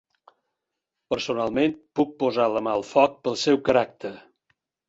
Personalment puc posar la mà al foc pel seu caràcter.